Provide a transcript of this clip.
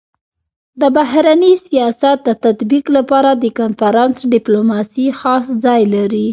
د بهرني سیاست د تطبيق لپاره د کنفرانس ډيپلوماسي خاص ځای لري.